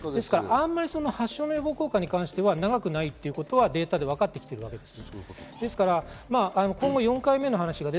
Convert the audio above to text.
あまり発症の予防効果に関しては長くないということはデータで分かってきています。